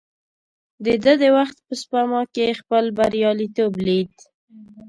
ده د وخت په سپما کې خپل برياليتوب ليد.